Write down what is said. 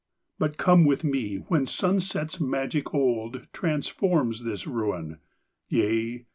But come with me when sunset's magic old Transforms this ruin yea!